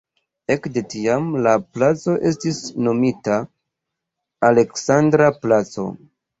Ekde tiam la placo estis nomita "Aleksandra placo".